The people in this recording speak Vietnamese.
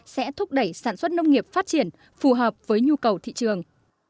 sẽ thúc đẩy sản xuất nông nghiệp phát triển phù hợp với nhu cầu thị trường